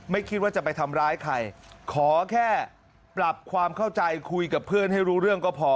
คิดว่าจะไปทำร้ายใครขอแค่ปรับความเข้าใจคุยกับเพื่อนให้รู้เรื่องก็พอ